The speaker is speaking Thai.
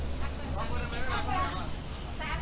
อุ๊ยรับทราบรับทราบรับทราบ